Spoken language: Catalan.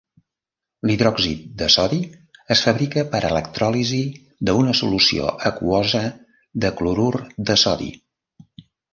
L'hidròxid de sodi es fabrica per electròlisi d'una solució aquosa de clorur de sodi.